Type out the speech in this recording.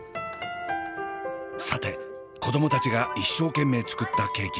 さて子供たちが一生懸命作ったケーキ。